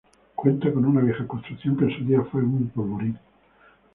Cuenta con una vieja construcción que en su día fue un polvorín.